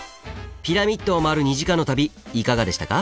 ピラミッドをまわる２時間の旅いかがでしたか？